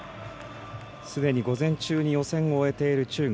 すでに午前中に予選を終えている中国。